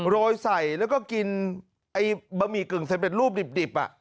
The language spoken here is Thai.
โรยใส่แล้วก็กินไอ้บะหมี่กึ่งสำเร็จรูปดิบ